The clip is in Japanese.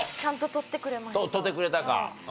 撮ってくれたか。